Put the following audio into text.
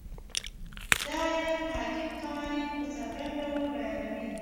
دا علم حاکم قوانین په څرګند ډول بیانوي.